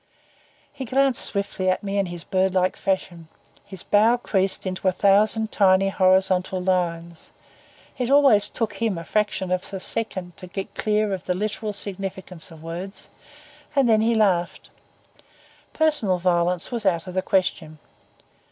He glanced swiftly at me in his bird like fashion, his brow creased into a thousand tiny horizontal lines it always took him a fraction of a second to get clear of the literal significance of words and then he laughed. Personal violence was out of the question.